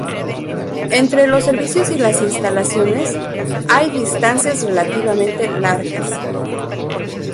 Entre los servicios y las instalaciones hay distancias relativamente largas.